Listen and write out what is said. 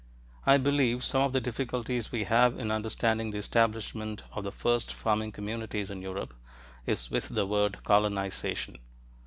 I believe some of the difficulty we have in understanding the establishment of the first farming communities in Europe is with the word "colonization."